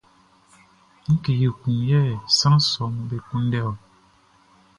Ngue ekun yɛ sran sɔʼm be kunndɛ ɔ?